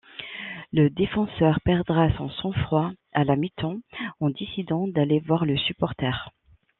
Le défenseur perdra son sang-froid à la mi-temps en décidant d'aller voir le supporter.